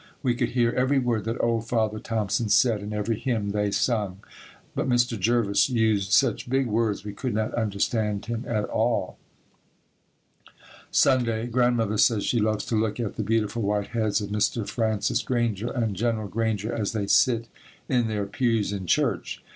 We could hear every word that old Father Thompson said, and every hymn they sung, but Mr. Jervis used such big words we could not understand him at all. Sunday. Grandmother says she loves to look at the beautiful white heads of Mr. Francis Granger and General Granger as they sit in their pews in church.